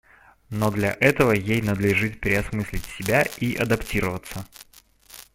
Но для этого ей надлежит переосмыслить себя и адаптироваться.